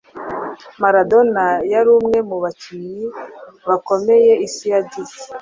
Maradona yari umwe mu bakinyi bakomeye isi yagize,